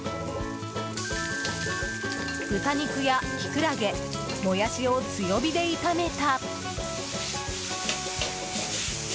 豚肉やキクラゲ、モヤシを強火で炒めた。